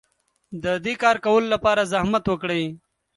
د دې کار کولو لپاره زحمت وکړئ.